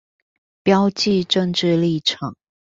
標記政治立場